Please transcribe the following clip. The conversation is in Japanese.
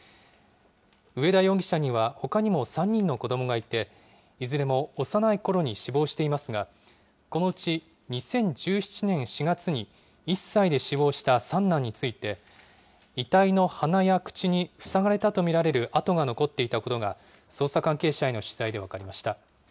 上田容疑者にはほかにも３人の子どもがいて、いずれも幼いころに死亡していますが、このうち２０１７年４月に１歳で死亡した三男について、遺体の鼻や口に塞がれたと見られるあとが残っていたことが、捜査関係者への取材で分かりました。